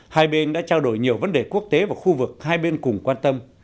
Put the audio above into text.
hai bên đã trao đổi nhiều vấn đề quốc tế và khu vực hai bên cùng quan tâm